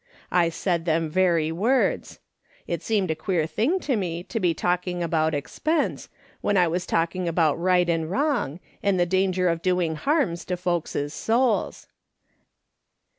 I said them very words. It seemed a queer thing to me to be talking about expense, when I was talking about right and wrong, and the danger of doing harm to folks' souls."